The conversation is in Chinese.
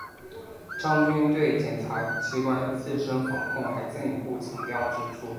张军对检察机关自身防控还进一步强调指出